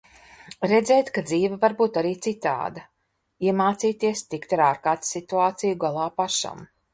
Redzēt, ka dzīve var būt arī citāda, iemācīties tikt ar ārkārtas situāciju galā pašam.